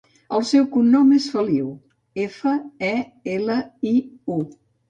El seu cognom és Feliu: efa, e, ela, i, u.